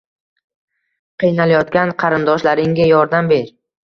Qiynalayotgan qarindoshlaringga yordam ber.